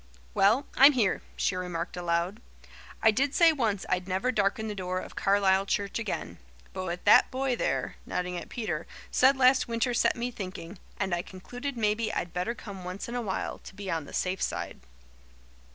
"Well, I'm here," she remarked aloud. "I did say once I'd never darken the door of Carlisle church again, but what that boy there" nodding at Peter "said last winter set me thinking, and I concluded maybe I'd better come once in a while, to be on the safe side."